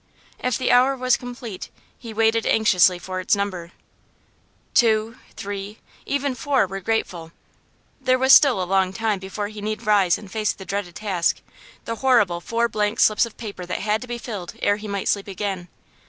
If the hour was complete, he waited anxiously for its number. Two, three, even four, were grateful; there was still a long time before he need rise and face the dreaded task, the horrible four blank slips of paper that had to be filled ere he might sleep again.